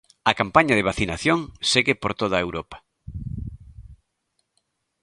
A campaña de vacinación segue por toda Europa.